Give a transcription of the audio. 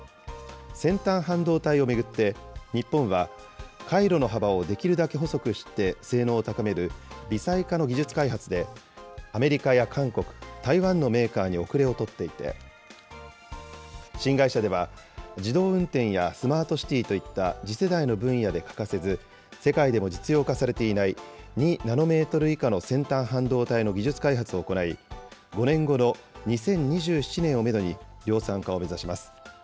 先端半導体を巡って、日本は回路の幅をできるだけ細くして性能を高める微細化の技術開発で、アメリカや韓国、台湾のメーカーに後れを取っていて、新会社では、自動運転やスマートシティーといった次世代の分野で欠かせず、世界でも実用化されていない２ナノメートル以下の先端半導体の技術開発を行い、５年後の２０２７年をメドに、量産化を目指します。